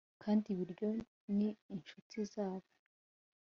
Kandi ibiryo ni inshuti zabo